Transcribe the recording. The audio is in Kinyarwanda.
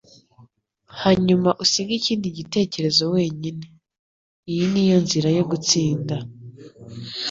hanyuma usige ikindi gitekerezo wenyine. Iyi ni yo nzira yo gutsinda. ”